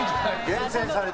厳選された。